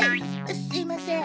すいません。